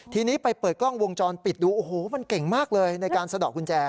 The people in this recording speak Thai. ทีนี้ไปเปิดกล้องวงจรปิดดูโอ้โหมันเก่งมากเลยในการสะดอกกุญแจ